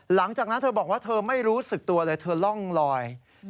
หลังจากนั้นเธอบอกว่าเธอไม่รู้สึกตัวเลยเธอร่องลอย